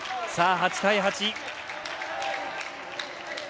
８対８。